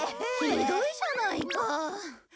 ひどいじゃないか。